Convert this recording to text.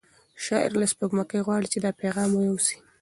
شاعر له سپوږمۍ غواړي چې د ده پیغام یوسي.